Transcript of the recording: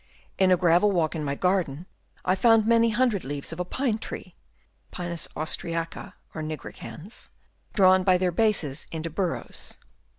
In a gravel walk in my garden I found many hundred leaves of a pine tree (P. austriaca or nigri cans) drawn by their bases into burrows.